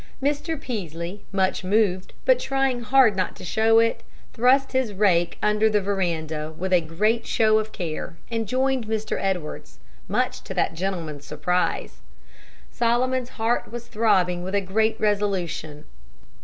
Mr. Peaslee, much moved, but trying hard not to show it, thrust his rake under the veranda with a great show of care, and joined Mr. Edwards much to that gentleman's surprise. Solomon's heart was throbbing with a great resolution.